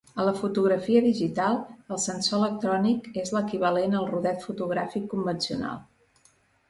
A la fotografia digital el sensor electrònic és l'equivalent al rodet fotogràfic convencional.